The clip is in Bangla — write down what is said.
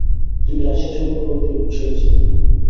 তিনি রাশিয়া সম্পর্কে অতি উৎসাহী ছিলেন।